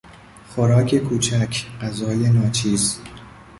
خوراک کوچک، غذای ناچیز